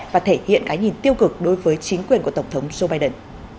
và thể hiện cái nhìn tiêu cực đối với chính quyền của tổng thống joe biden